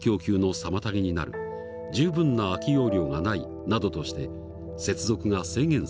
「十分な空き容量がない」などとして接続が制限されている。